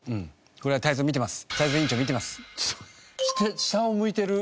これは泰造見てます。